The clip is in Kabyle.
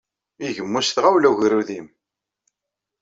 Igemmu s tɣawla ugerrud-im.